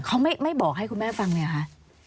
เขาไม่บอกให้คุณแม่ฟังเลยหรือคะ